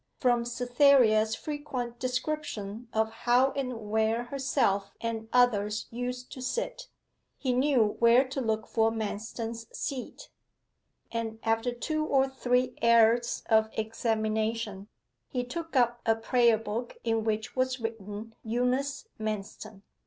From Cytherea's frequent description of how and where herself and others used to sit, he knew where to look for Manston's seat; and after two or three errors of examination he took up a prayer book in which was written 'Eunice Manston.